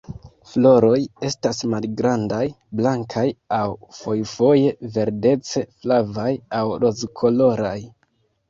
Floroj estas malgrandaj, blankaj aŭ fojfoje verdece-flavaj aŭ rozkoloraj.